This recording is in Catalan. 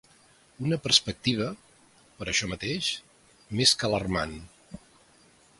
Una perspectiva, per això mateix, més que alarmant.